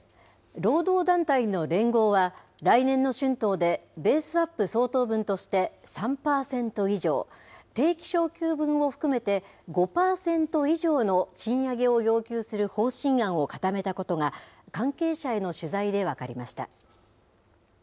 労働団体の連合は、来年の春闘で、ベースアップ相当分として３％以上、定期昇給分を含めて５％以上の賃上げを要求する方針案を固めたことが、関係者への取材で分かりました。